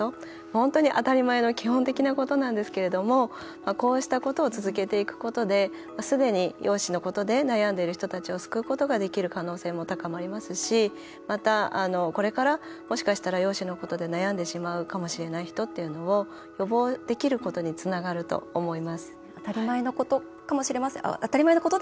本当に当たり前の基本的なことなんですけれどもこうしたことを続けていくことですでに容姿のことで悩んでいる人を救うことができる可能性も高まりますしまた、これから、もしかしたら容姿のことで悩んでしまうかもしれない人っていうのを予防できることにつながると思います。